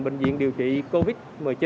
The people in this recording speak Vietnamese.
bệnh viện điều trị covid một mươi chín